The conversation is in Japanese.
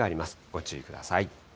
ご注意ください。